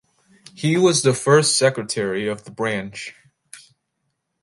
He was the first Secretary of the branch.